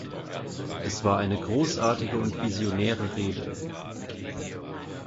Es war eine großartige und visionäre Rede.